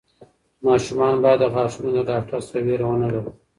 ماشومان باید د غاښونو د ډاکټر څخه وېره ونه لري.